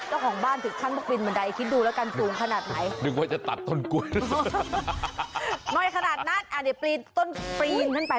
เจ้าของบ้านถึงถ้ามันปีนบันไดคิดดูแล้วกันสูงขนาดไหน